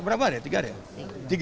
berapa deh tiga hari